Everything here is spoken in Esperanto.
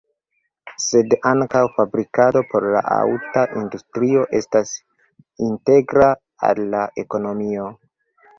Sed ankaŭ fabrikado por la aŭta industrio estas integra al la ekonomio.